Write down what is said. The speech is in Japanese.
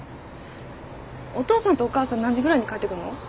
お父さんとお母さん何時ぐらいに帰ってくるの？